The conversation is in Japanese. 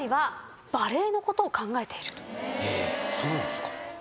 そうなんですか？